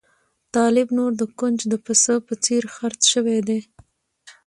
طالب نور د ګنج د پسه په څېر خرڅ شوی دی.